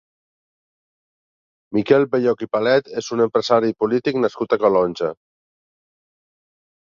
Miquel Bell-lloch i Palet és un empresari i polític nascut a Calonge.